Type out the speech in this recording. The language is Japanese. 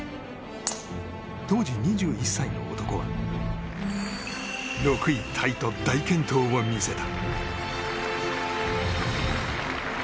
当時、２１歳の男は６位タイと大健闘を見せた。